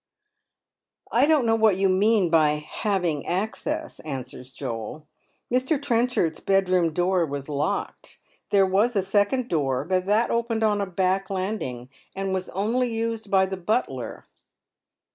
" I don't know what you mean by having access," answers Joel. " Mr. Trenchard's bedroom door was locked. There was a second door, but that opened on a back landing, and was only used by the butler."